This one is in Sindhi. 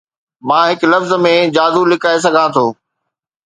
مان هڪ لفظ ۾ جادو لڪائي سگهان ٿو